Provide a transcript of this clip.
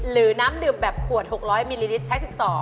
น้ำดื่มแบบขวด๖๐๐มิลลิลิตรแพ็ค๑๒